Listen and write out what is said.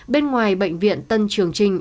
bên ngoài bệnh viện tân trường trinh